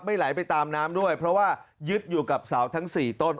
ไหลไปตามน้ำด้วยเพราะว่ายึดอยู่กับเสาทั้ง๔ต้น